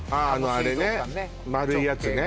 あれね丸いやつね